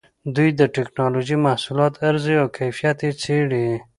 دوی د ټېکنالوجۍ محصولات ارزوي او کیفیت یې څېړي.